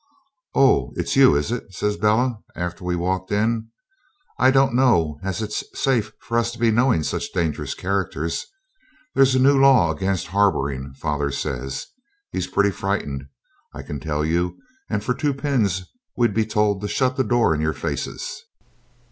'Oh! it's you, is it?' says Bella, after we walked in. 'I don't know as it's safe for us to be knowing such dangerous characters. There's a new law against harbouring, father says. He's pretty frightened, I can tell you, and for two pins we'd be told to shut the door in your faces.'